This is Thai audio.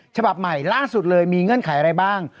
ฉบับใหม่ล่าสุดเลยมีเงื่อนไขอะไรบ้าง